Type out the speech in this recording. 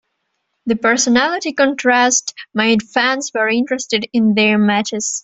The personality contrast made fans very interested in their matches.